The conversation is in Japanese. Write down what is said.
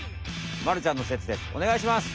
まるちゃんのせつです。